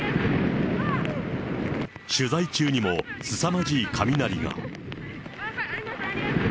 取材中にもすさまじい雷が。